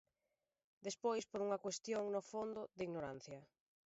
Despois por unha cuestión, no fondo, de ignorancia.